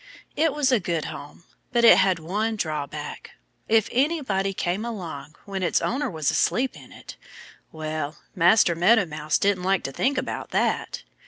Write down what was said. It was a good home. But it had one drawback. If anybody came along when its owner was asleep in it Well, Master Meadow Mouse didn't like to think about that.